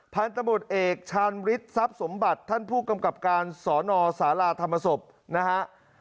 พันธบทเอกชาญฤทธิทรัพย์สมบัติท่านผู้กำกับการสอนอสาราธรรมศพนะฮะ